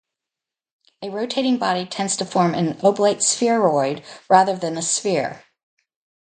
A rotating body tends to form an oblate spheroid rather than a sphere.